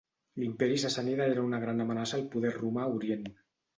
L'Imperi sassànida era una gran amenaça al poder romà a Orient.